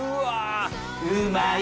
うまい！